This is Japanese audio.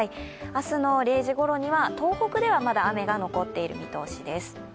明日の０時ごろには東北ではまだ雨が残っている見通しです。